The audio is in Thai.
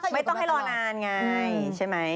ไม่ต้องให้รอนานไงใช่ไหม